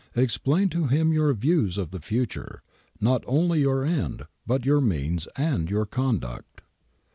Explain to him your views of the future, not only your end but your means and your conduct.'